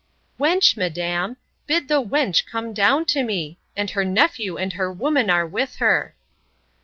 Wench, madam, Bid the wench come down to me. And her nephew and her woman are with her.